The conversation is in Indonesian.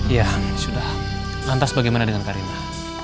iya sudah lantas bagaimana dengan kalina